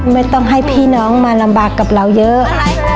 ไม่ต้องให้พี่น้องมาลำบากกับเราเยอะ